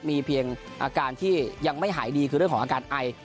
มีเพียงอาการที่ยังไม่หายดีคือเรื่องของอาการไอ